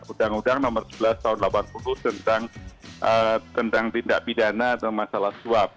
undang undang nomor sebelas tahun seribu sembilan ratus delapan puluh tentang tindak pidana atau masalah suap